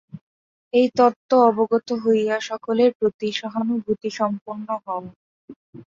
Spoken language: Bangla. এই তত্ত্ব অবগত হইয়া সকলের প্রতি সহানুভূতিসম্পন্ন হও।